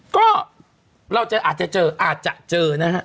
ก็เราอาจจะเจอ